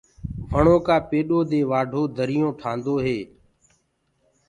وڻو ڪآ پيڏو دي وآڍو دريونٚ ٺآندو هيٚ۔